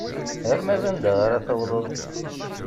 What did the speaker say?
Arma d anda ara tawḍeḍ?